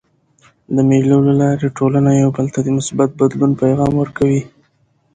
د مېلو له لاري ټولنه یو بل ته د مثبت بدلون پیغام ورکوي.